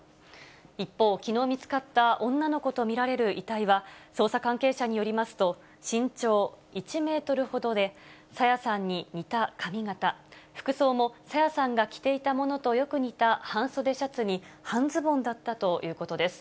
一方、きのう見つかった女の子と見られる遺体は、捜査関係者によりますと、身長１メートルほどで、朝芽さんに似た髪形、服装も朝芽さんが着ていたものとよく似た半袖シャツに半ズボンだったということです。